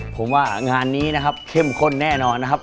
ผมว่างานนี้นะครับเข้มข้นแน่นอนนะครับ